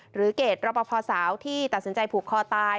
เกรดรปภสาวที่ตัดสินใจผูกคอตาย